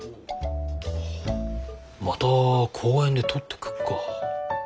また公園でとってくっか。